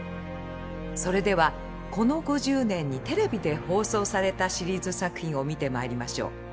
それではこの５０年にテレビで放送されたシリーズ作品を見てまいりましょう。